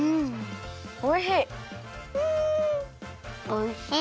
おいしい。